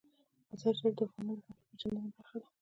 مزارشریف د افغانانو د فرهنګي پیژندنې برخه ده.